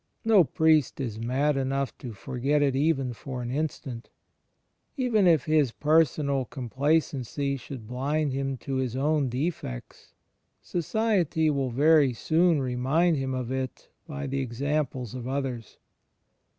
No priest is mad enough to forget it even for an instant. Even if his personal com placency should blind him to his own defects, society will very soon remind him of it by the examples of others.